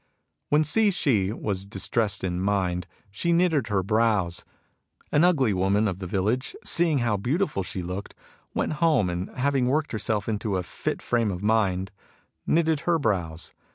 When Hsi Shih ^ was distressed in mind, she knitted her brows. An ugly woman of the village, seeing how beautiful she looked, went home, and having worked herself into a fit frame of mind, knitted her brows.